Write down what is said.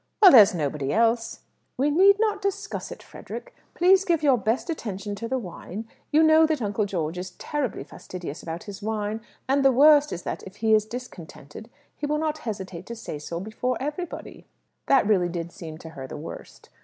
"Well, there's nobody else." "We need not discuss it, Frederick. Please give your best attention to the wine; you know that Uncle George is terribly fastidious about his wine, and the worst is that if he is discontented, he will not hesitate to say so before everybody." That really did seem to her the worst.